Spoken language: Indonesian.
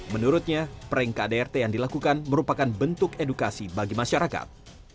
menurutnya prank kdrt yang dilakukan merupakan bentuk edukasi bagi masyarakat